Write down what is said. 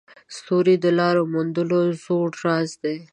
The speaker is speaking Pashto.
ستوري د لارو موندلو زوړ راز دی.